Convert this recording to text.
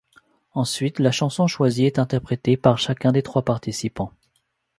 Ensuite la chanson choisie est interprétée par chacun des trois participants.